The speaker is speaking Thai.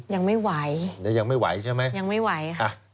ยังไม่ไหวยังไม่ไหวใช่ไหมยังไม่ไหวค่ะ